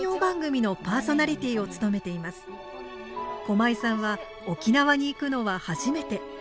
駒井さんは沖縄に行くのは初めて。